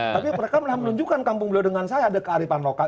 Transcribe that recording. tapi mereka malah menunjukkan kampung beliau dengan saya ada kearifan lokal